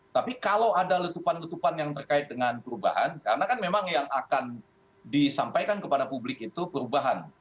tapi kalau ada letupan letupan yang terkait dengan perubahan karena kan memang yang akan disampaikan kepada publik itu perubahan